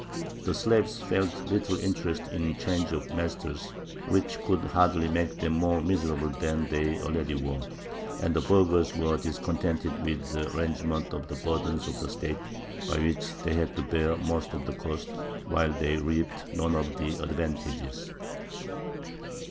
The slaves felt little interest in a change of masters, which could hardly make them more miserable than they already were; and the burghers were discontented with the arrangement of the burdens of the State, by which they had to bear most of the cost while they reaped none of the advantages.